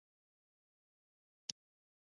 آزاد تجارت مهم دی ځکه چې مصرف هڅوي.